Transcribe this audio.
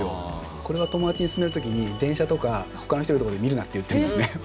これは友達にすすめる時に電車とかほかの人いるところで見るなって言ってるんですね。